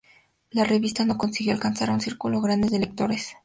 La revista no consiguió alcanzar a un círculo grande de lectores.